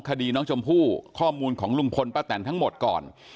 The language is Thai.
คดีน้องชมพู่ข้อมูลของลุงพลป้าแตนทั้งหมดก่อน